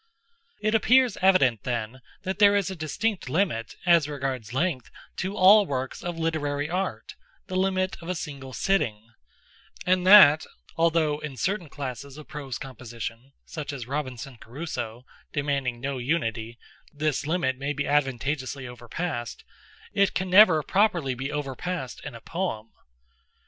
It appears evident, then, that there is a distinct limit, as regards length, to all works of literary art—the limit of a single sitting—and that, although in certain classes of prose composition, such as Robinson Crusoe, (demanding no unity,) this limit may be advantageously overpassed, it can never properly be overpassed in a poem.